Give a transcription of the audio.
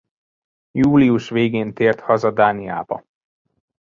Július végén tért haza Dániába.